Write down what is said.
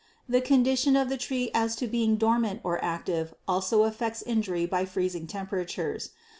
The condition of the tree as to being dormant or active also affects injury by freezing temperatures.